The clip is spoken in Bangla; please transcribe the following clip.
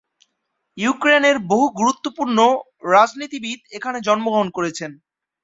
ইউক্রেনের বহু গুরুত্বপূর্ণ রাজনীতিবিদ এখানে জন্মগ্রহণ করেছেন।